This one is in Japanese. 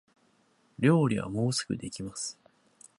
料理はもうすぐできます